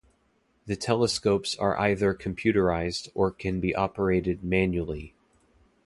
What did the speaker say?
The telescopes are either computerized or can be operated manually.